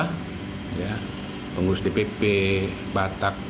yang kedua pengurus dpp batak